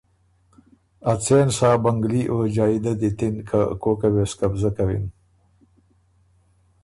ا څېن سا بنګلي او جائددي ت اِن که کوکه وې سو قبضۀ کوِن۔